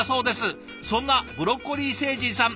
そんなブロッコリー星人さん